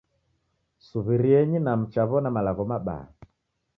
Suw'irienyi na mchaw'ona malagho mabaha